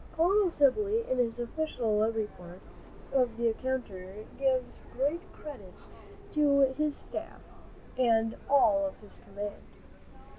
Colonel Sibley, in his official report of the encounter, gives great credit to his staff and all of his command.